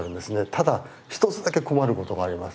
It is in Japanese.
ただ一つだけ困ることがあります。